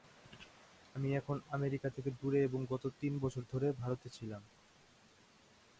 আমি এখন আমেরিকা থেকে দূরে এবং গত তিন বছর ধরে ভারতে ছিলাম।